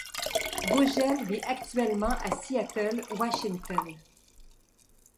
Vogel vit actuellement à Seattle, Washington.